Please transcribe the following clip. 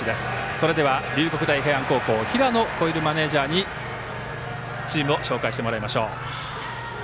それでは龍谷大平安高校平野心琉マネージャーにチームを紹介してもらいます。